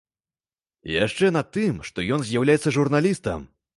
І яшчэ на тым, што ён з'яўляецца журналістам.